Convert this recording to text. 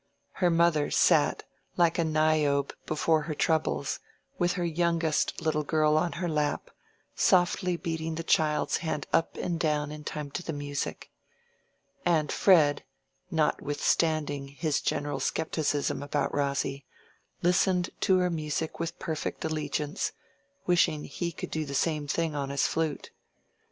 Her mother sat, like a Niobe before her troubles, with her youngest little girl on her lap, softly beating the child's hand up and down in time to the music. And Fred, notwithstanding his general scepticism about Rosy, listened to her music with perfect allegiance, wishing he could do the same thing on his flute.